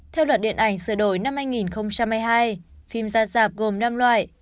theo luật điện ảnh sửa đổi năm hai nghìn hai mươi hai phim ra dạp gồm năm loại